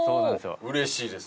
うれしいです。